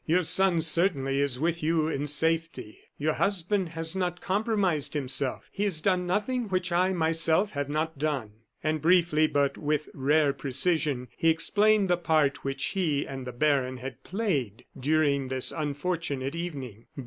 Your son, certainly, is with you in safety. Your husband has not compromised himself; he has done nothing which I myself have not done." And briefly, but with rare precision, he explained the part which he and the baron had played during this unfortunate evening.